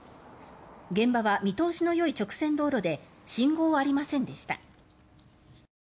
現場は見通しのよい直線道路で信号はありませんでした。